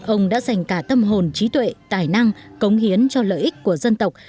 ông đã dành cả tâm hồn trí tuệ tài năng cống hiến cho lợi ích của dân tộc